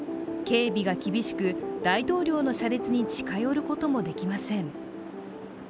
警備が厳しく、大統領の車列に近寄ることもできません。